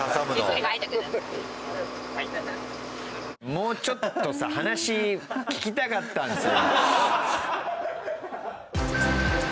もうちょっとさ話聞きたかったんですよ。